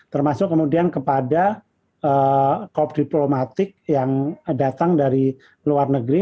termasuk kemudian kepada kop diplomatik yang datang dari luar negeri